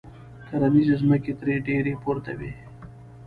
کرنیزې ځمکې ترې ډېرې پورته وې.